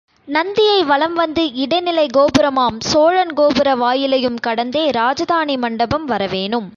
நந்தியை வலம் வந்து இடைநிலைக் கோபுரமாம் சோழன் கோபுர வாயிலையும் கடந்தே, ராஜதானி மண்டபம் வரவேணும்.